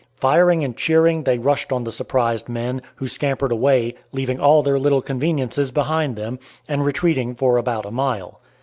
Firing and cheering they rushed on the surprised men, who scampered away, leaving all their little conveniences behind them, and retreating for about a mile.